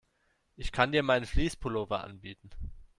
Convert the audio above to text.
Ich kann dir meinen Fleece-Pullover anbieten.